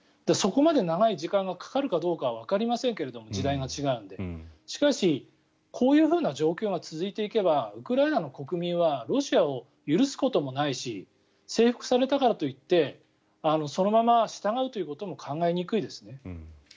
そこまで長い時間がかかるかどうかはわかりませんが時代が違うのでしかし、こういうふうな状況が続いていけばウクライナの国民はロシアを許すこともないし征服されたからといってそのまま従うということも考えにくいですね。